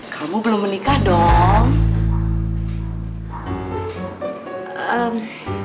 kamu belum menikah dong